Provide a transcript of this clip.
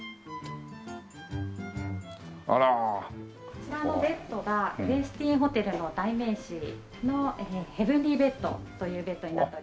こちらのベッドがウェスティンホテルの代名詞のヘブンリーベッドというベッドになっております。